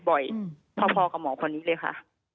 บ่อยพอกับหมอคนนี้เลยค่ะ